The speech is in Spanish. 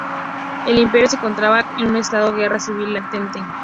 El Imperio se encontraba en un estado de guerra civil latente.